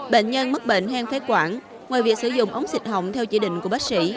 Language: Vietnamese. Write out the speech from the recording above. bệnh nhân mắc bệnh hen phế quản ngoài việc sử dụng ống xịt hỏng theo chỉ định của bác sĩ